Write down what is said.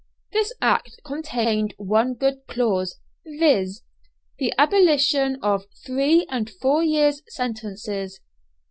This Act contained one good clause, viz., the abolition of three and four years' sentences.